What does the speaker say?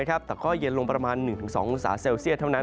แต่ก็เย็นลงประมาณ๑๒องศาเซลเซียตเท่านั้น